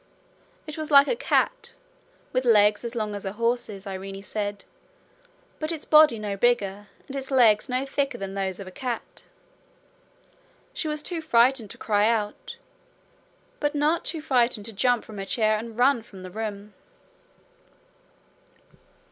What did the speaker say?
It was like a cat, with legs as long as a horse's, Irene said, but its body no bigger and its legs no thicker than those of a cat. She was too frightened to cry out, but not too frightened to jump from her chair and run from the room.